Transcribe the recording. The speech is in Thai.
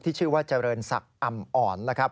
ที่ชื่อว่าเจริญสักอำอ่อน